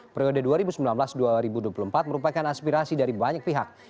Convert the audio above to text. periode dua ribu sembilan belas dua ribu dua puluh empat merupakan aspirasi dari banyak pihak